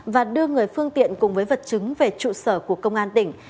và đưa người phương tiện cùng với vật chứng về trụ sở của công an tỉnh